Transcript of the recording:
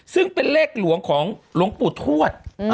ซึ่งเป็นเลขหลวงของหลวงปู่ทวด